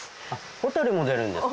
ホタルも出るんですか？